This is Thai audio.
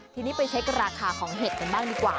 ทีนี้ไปเช็คราคาของเห็ดกันบ้างดีกว่า